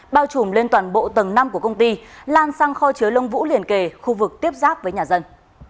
bao trùm lên toàn bộ tầng năm của công ty lan sang kho chứa lông vũ liền kề khu vực tiếp giáp với nhà dân